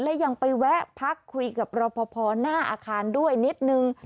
และยังไปแวะพักคุยกับรอปภหน้าอาคารด้วยนิดนึง